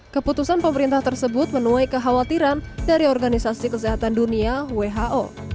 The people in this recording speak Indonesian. keputusan pemerintah tersebut menuai kekhawatiran dari organisasi kesehatan dunia who